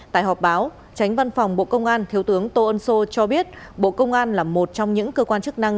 tại họp báo tránh văn phòng bộ công an thiếu tướng tô ân sô cho biết bộ công an là một trong những cơ quan chức năng